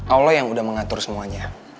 allah yang udah mengatur semuanya